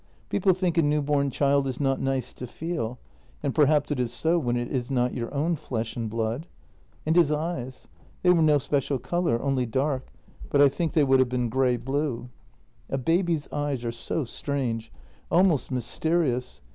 People think a newborn child is not nice to feel, and perhaps it is so when it is not your own flesh and blood. And his eyes — they were no special colour, only dark, but I think they would have been grey blue. A baby's eyes are so strange — almost mysterious.